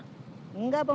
enggak mau berangkat lagi